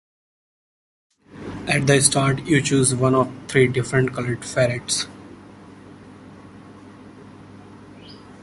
At the start you choose one of three different coloured ferrets.